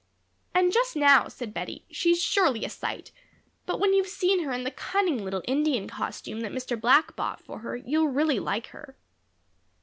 "And just now," said Bettie, "she's surely a sight; but when you've seen her in the cunning little Indian costume that Mr. Black bought for her you'll really like her."